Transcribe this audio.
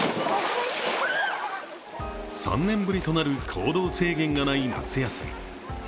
３年ぶりとなる行動制限がない夏休み。